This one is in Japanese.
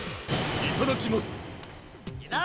いただきます！